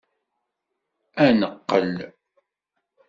Ad neqqel!